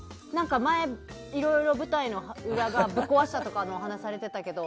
前、いろいろ舞台の裏側ぶっ壊したとかお話をされていたけど。